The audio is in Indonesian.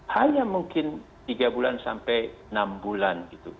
hanya mungkin tiga bulan sampai enam bulan gitu